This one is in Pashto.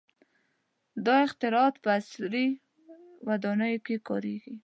• دا اختراعات په عصري ودانیو کې کارېږي.